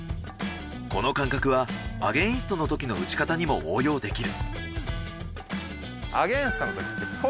この感覚はアゲインストのときの打ち方にも応用できる。